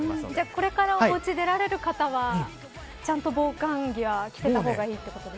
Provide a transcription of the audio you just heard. これからお家を出られる方はちゃんと防寒着を着た方がいいですか。